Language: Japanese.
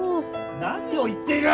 何を言っている！？